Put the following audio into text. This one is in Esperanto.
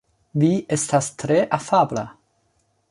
Vi estas tre afabla.